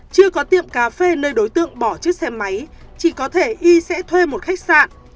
chưa có tiệm cà phê nơi đối tượng bỏ chiếc xe máy chỉ có thể y sẽ thuê một khách sạn